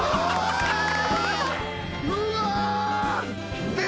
うわ！